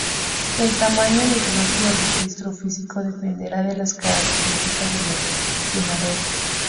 El tamaño del bloque o registro físico dependerá de las características del ordenador.